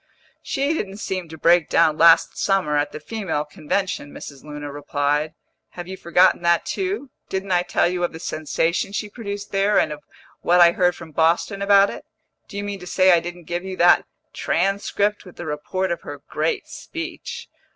"She didn't seem to break down last summer, at the Female Convention," Mrs. Luna replied. "Have you forgotten that too? Didn't I tell you of the sensation she produced there, and of what I heard from Boston about it? Do you mean to say I didn't give you that "Transcript," with the report of her great speech?